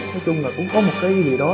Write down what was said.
họp lại đủ nguyên liệu